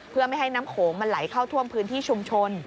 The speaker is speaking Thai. เพื่อไม่ให้น้ำโขงมันไหลเข้าท่วมพื้นที่ชุมชน